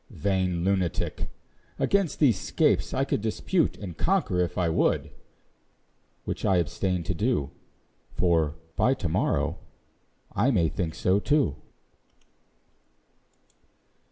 Vain lunatic! Against these scapes I could Dispute and conquer if I would; Which I abstain to do; For, by to morrow, I may think so too.